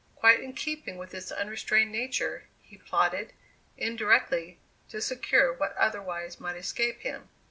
Quite in keeping with his unrestrained nature, he plotted, indirectly, to secure what otherwise might escape him.